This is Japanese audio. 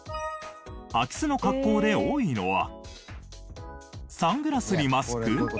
空き巣の格好で多いのはサングラスにマスク？